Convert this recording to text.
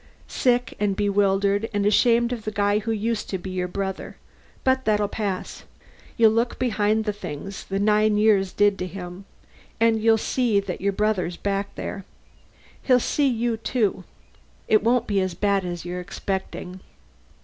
Sick and bewildered and ashamed of the guy who used to be your brother. But that'll pass. You'll look behind the things the nine years did to him, and you'll see your brother back there. He'll see you, too. It won't be as bad as you're expecting."